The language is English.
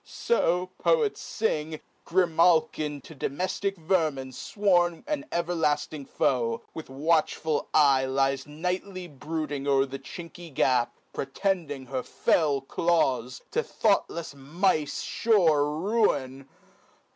So (poets fing) Grimalkin to domeftic vermin fworn An everlafting foe, with \vatchful eye Lies nightly brooding o'er a chinky gap, Protending her fell claws, to thoughtlefs mice Sure ruin.